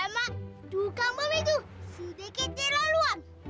aya mak dukang bom itu sedikit kecelaluan